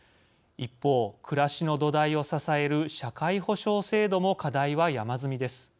一方、暮らしの土台を支える社会保障制度も課題は山積みです。